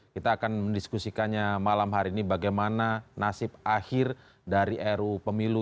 kita akan mendiskusikannya malam hari ini bagaimana nasib akhir dari ru pemilu